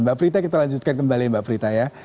mbak brita kita lanjutkan kembali mbak brita ya